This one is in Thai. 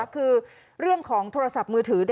คือเรื่องของโทรศัพท์มือถือ